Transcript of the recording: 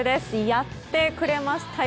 やってくれましたよ！